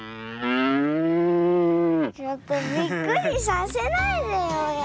ちょっとびっくりさせないでよやるから。